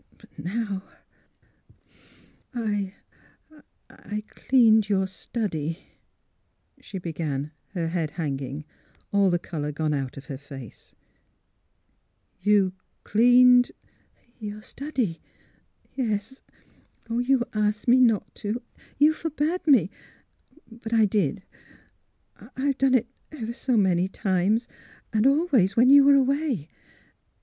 But now '' I — cleaned — your study," she began, her head hanging, all the colour gone out of her face. " You— cleaned ?" 248 THE HEART OF PHILURA ^' Your study — yes. You asked me not to — you forbade me. But I did. I've done it — oh, ever so many times, and always when you were away.